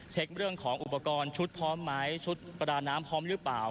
เช็คเรื่องของอุปกรณ์ชุดพร้อมไหมชุดประดาน้ำพร้อมหรือเปล่า